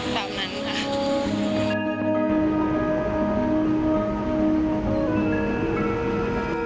แบบนั้นค่ะ